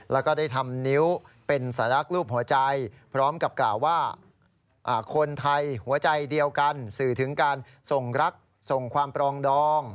แล้วก็ได้ทำนิ้วเป็นสัญลักษณ์รูปหัวใจพร้อมกับกล่าวว่าคนไทยหัวใจเดียวกันสื่อถึงการส่งรักส่งความปรองดอง